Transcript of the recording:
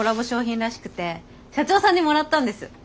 商品らしくて社長さんにもらったんです。